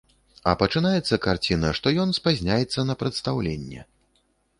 А пачынаецца карціна, што ён спазняецца на прадстаўленне.